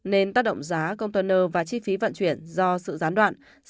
nên tác động giá công tơ nơ và chi phí vận chuyển do sự gián đoạn